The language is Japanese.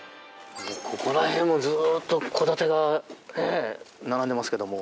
ここら辺もずっと戸建てが並んでいますけども。